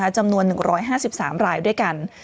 จำนวน๑๕๓รายด้วยกัน